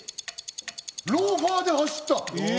ローファーで走った。